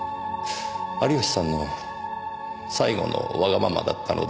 有吉さんの最後のわがままだったのですね？